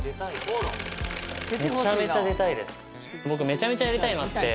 めちゃめちゃ出たいです